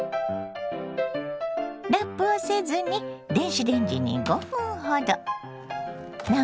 ラップをせずに電子レンジに５分ほど。